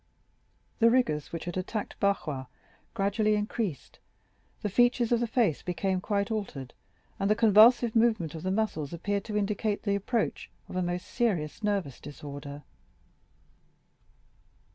The rigors which had attacked Barrois gradually increased, the features of the face became quite altered, and the convulsive movement of the muscles appeared to indicate the approach of a most serious nervous disorder.